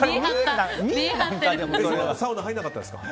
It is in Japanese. サウナ入らなかったんですか？